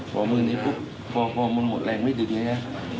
พอมือนี้ปุ๊บพอมันหมดแรงไม่ดึกเลยนะ